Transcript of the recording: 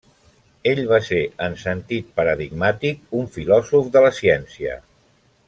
Ell va ser, en sentit paradigmàtic, un filòsof de la ciència.